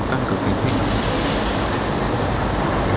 mas gibran ke bibi